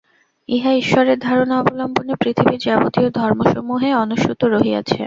ইহা ঈশ্বরের ধারণা অবলম্বনে পৃথিবীর যাবতীয় ধর্মসমূহে অনুস্যূত রহিয়াছে।